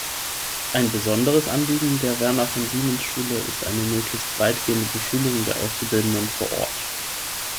Ein besonderes Anliegen der Werner-von-Siemens-Schule ist eine möglichst weitgehende Beschulung der Auszubildenden vor Ort.